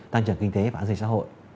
tăng trưởng kinh tế và an ninh xã hội